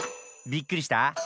びっくりした？